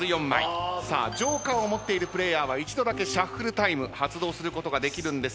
ＪＯＫＥＲを持っているプレイヤーは一度だけシャッフルタイム発動することができるんですが。